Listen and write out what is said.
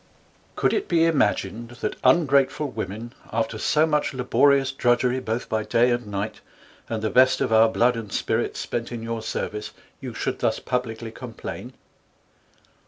COuld it be Imagined, that ungrateful Women, ┬Ā┬Ā┬Ā┬Ā┬Ā┬Ā 1 5 after so much laborious Drudgery, both by Day and Night, and the best of our Blood and Spirits spent in your Service, you should thus publickly Complain?